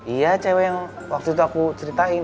iya cewek yang waktu itu aku ceritain